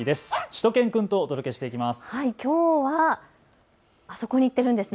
しゅと犬くんとお届けしていきます。